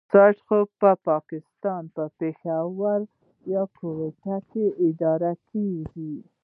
سایټ خو په پاکستان په پېښور يا کوټه کې اداره کېږي.